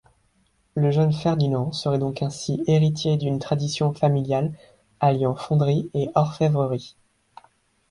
Le jeune Ferdinand serait donc ainsi héritier d'une tradition familiale alliant fonderie et orfèvrerie.